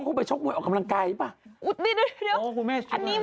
ก้มไปชกมวยออกกำลังกายใช่ไหม